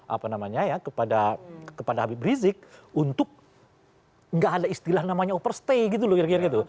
apa namanya ya kepada habib rizik untuk gak ada istilah namanya overstay gitu loh kira kira gitu